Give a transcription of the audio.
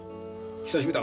久しぶりだ。